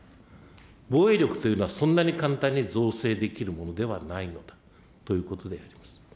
防衛力というのはそんなに簡単に造成できるものではないのだということであります。